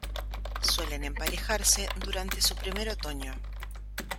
Suelen emparejarse durante su primer otoño.